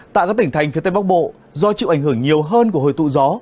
tại các tỉnh thành phía tây bắc bộ do chịu ảnh hưởng nhiều hơn của hồi tụ gió